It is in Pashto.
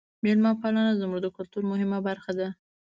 میلمه پالنه زموږ د کلتور مهمه برخه ده.